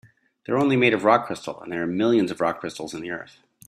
They're only made of rock crystal, and there are millions of rock crystals in the earth.